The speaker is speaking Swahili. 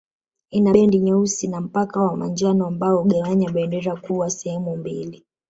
Ina bendi nyeusi na mpaka wa manjano ambao hugawanya bendera kuwa sehemu mbili